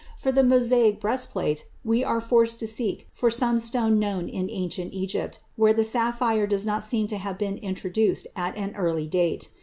For the Mosaic breastplate we are forced to seek for some stone known in ancient Egypt, where the sapphire does not seem to have been introduced at an early date.